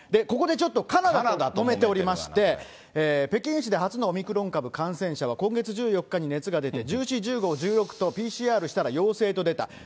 ここでちょっとカナダともめておりまして、北京市で初のオミクロン株感染者は、今月１４日に熱が出て、１４、１５、１６とＰＣＲしたら陽性と出た。